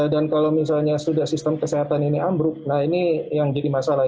dan kalau misalnya sudah sistem kesehatan ini ambruk nah ini yang jadi masalah